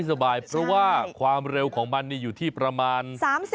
สบายเพราะว่าความเร็วของมันอยู่ที่ประมาณ๓๐